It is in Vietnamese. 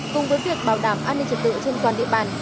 cùng với việc bảo đảm an ninh trật tự trên toàn địa bàn